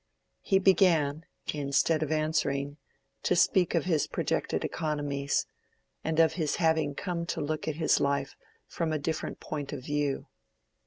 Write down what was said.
He began, instead of answering, to speak of his projected economies, and of his having come to look at his life from a different point of view.